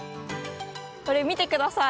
これ見て下さい！